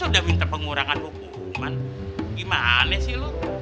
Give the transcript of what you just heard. udah gitu pakai istilah remisiiau